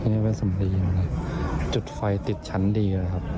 นี่เป็นสำลีจุดไฟติดชั้นดี